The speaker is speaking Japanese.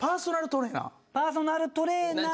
パーソナルトレーナー。